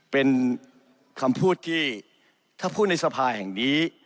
เป็นคำพูดที่ถ้าพูดในสภาแห่งนี้